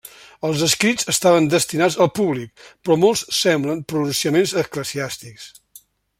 Els escrits estaven destinats al públic però molts semblen pronunciaments eclesiàstics.